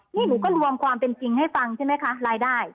นี่หนูก็รวมความเป็นจริงให้ฟังใช่ไหมคะรายได้